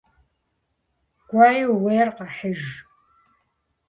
Кӏуэи ууейр къэхьыж.